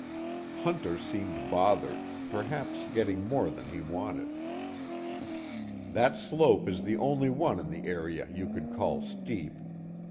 Hunter seemed bothered, perhaps getting more than he wanted. "That slope is the only one in the area you could call steep.